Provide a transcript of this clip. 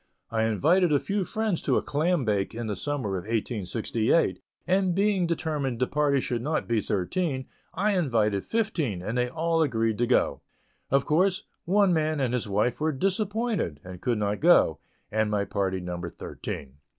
I invited a few friends to a "clam bake" in the summer of 1868, and being determined the party should not be thirteen, I invited fifteen, and they all agreed to go. Of course, one man and his wife were "disappointed," and could not go and my party numbered thirteen.